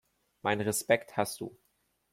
Meinen Respekt hast du.